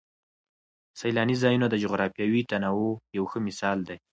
سیلاني ځایونه د جغرافیوي تنوع یو ښه مثال دی.